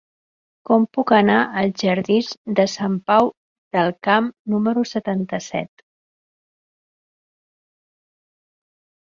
Com puc anar als jardins de Sant Pau del Camp número setanta-set?